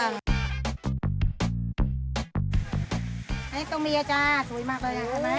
อันนี้ตัวเมียจ้าสวยมากเลย